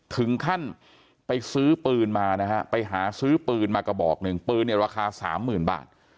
ถึงขั้นไปซื้อปืนมานะฮะไปหาซื้อปืนมาก็บอก๑ปืนนี้ราคา๓๐๐๐๐บาท